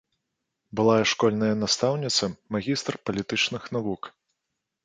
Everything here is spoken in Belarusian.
Былая школьная настаўніца, магістр палітычных навук.